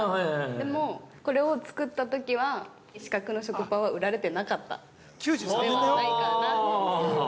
でも、これを作ったときは四角の食パンは売られてなかったのではないかな？